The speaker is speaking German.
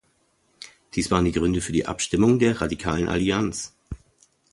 Dies waren die Gründe für die Abstimmung der Radikalen Allianz.